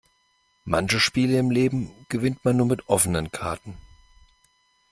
Manche Spiele im Leben gewinnt man nur mit offenen Karten.